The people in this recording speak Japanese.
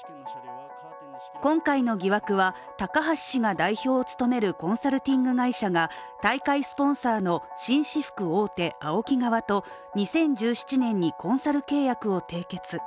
今回の疑惑は高橋氏が代表を務めるコンサルティング会社が大会スポンサーの紳士服大手ＡＯＫＩ側と２０１１年にコンサル契約を締結。